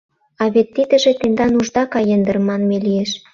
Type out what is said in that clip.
А вет тидыже «Тендан ушда каен дыр» манме лиеш.